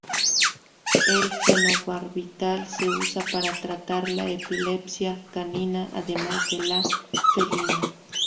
El fenobarbital se usa para tratar la epilepsia canina, además de la felina.